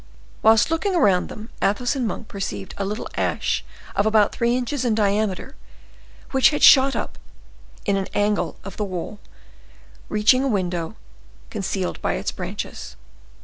Whilst looking around them, Athos and Monk perceived a little ash of about three inches in diameter, which had shot up in an angle of the wall, reaching a window, concealed by its branches.